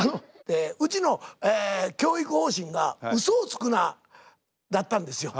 うちの教育方針が「ウソをつくな」だったんですよ。